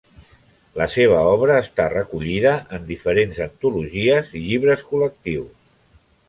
La seva obra està recollida en diferents antologies i llibres col·lectius.